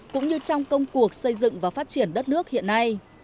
cũng như trong công cuộc xây dựng và phát triển đất nước hiện nay